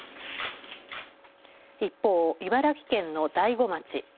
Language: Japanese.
一方、茨城県の大子町。